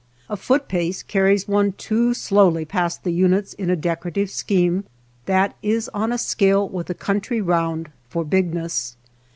A foot pace carries one too slowly past the units in a decorative scheme that is on a scale with the country round for bigness.